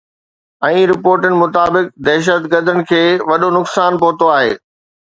۽ رپورٽن مطابق دهشتگردن کي وڏو نقصان پهتو آهي.